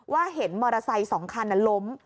ว่าเห็นมอเตอร์ไซค์สองคันน่ะล้ม